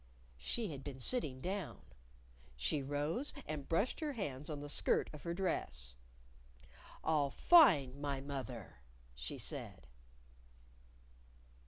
_" She had been sitting down. She rose, and brushed her hands on the skirt of her dress. "I'll find my moth er," she said.